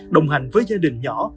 đồng hành với gia đình nhỏ